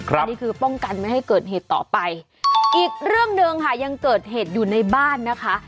อันนี้คือป้องกันไม่ให้เกิดเหตุต่อไปอีกเรื่องหนึ่งค่ะยังเกิดเหตุอยู่ในบ้านนะคะ